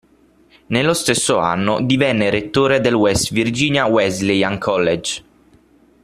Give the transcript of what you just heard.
Nello stesso anno divenne rettore del West Virginia Wesleyan College.